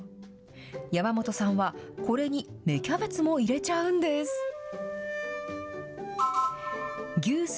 山本さんは、これに芽キャベツも入れちゃうんです。